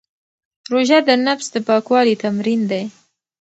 روژه د نفس د پاکوالي تمرین دی.